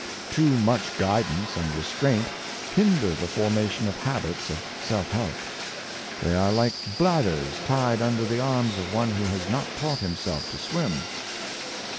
Too much guidance and restraint hinder the formation of habits of self help. They are like bladders tied un The Right Use of Knowledge. 801 der the arms of one who has not taught himself to swim.